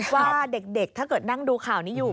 ว่าเด็กถ้าเกิดนั่งดูข่าวนี้อยู่